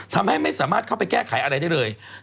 ทำให้ไม่สามารถเข้าไปแก้ไขอะไรได้เลย